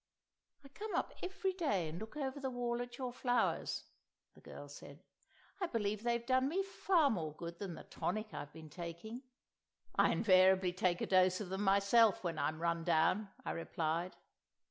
"I come up every day and look over the wall at your flowers," the girl said. "I believe they've done me far more good than the tonic I've been taking." "I invariably take a dose of them myself, when I'm run down," I replied.